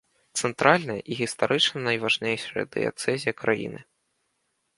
Цэнтральная і гістарычна найважнейшая дыяцэзія краіны.